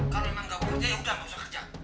kalau emang gak bekerja ya udah gak usah kerja